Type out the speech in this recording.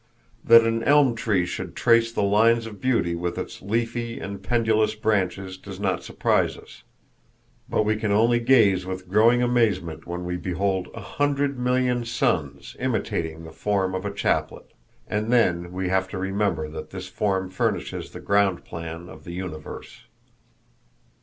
That an elm tree should trace the lines of beauty with its leafy and pendulous branches does not surprise us; but we can only gaze with growing amazement when we behold a hundred million suns imitating the form of a chaplet! And then we have to remember that this form furnishes the ground plan of the universe.